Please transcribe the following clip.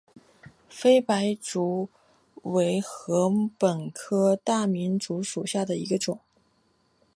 菲白竹为禾本科大明竹属下的一个种。